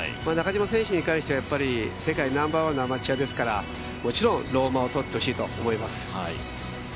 中島選手に関しては、世界ナンバーワンのアマチュアですからもちろんローアマを取ってほしいと思います。